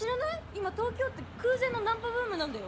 今東京って空前のナンパブームなんだよ。